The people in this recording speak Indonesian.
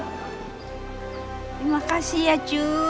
terima kasih ya ju